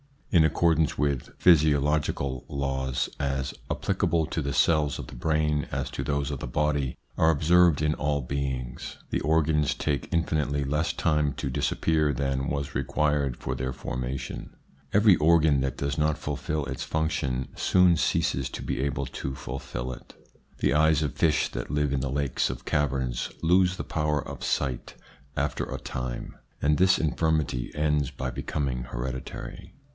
In accordance with physio logical laws, as applicable to the cells of the brain as to those of the body, and observed in all beings, the organs take infinitely less time to disappear than was required for their formation. Every organ that does not fulfil its function soon ceases to be able to fulfil it. The eyes of fish that live in the lakes of caverns lose the power of sight after a time, and this infirmity ends by becoming hereditary.